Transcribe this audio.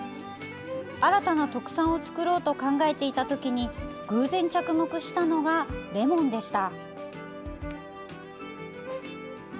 新たな特産を作ろうと考えていたときに偶然、着目したのがレモンでした。